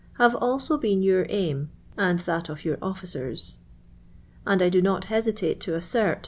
'v<, l.iiNc also been your aim and that of your nflici rs ; and I do not hesitate to a>seri, th